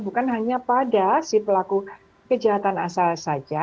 bukan hanya pada si pelaku kejahatan asal saja